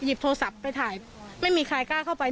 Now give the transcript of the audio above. โทรศัพท์ไปถ่ายไม่มีใครกล้าเข้าไป